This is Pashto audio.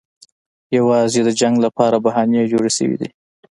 یوازې د جنګ لپاره بهانې جوړې شوې دي.